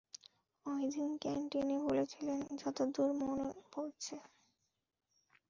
ঐদিন ক্যান্টিনে বলেছিলেন, যতদূর মনে পড়ছে।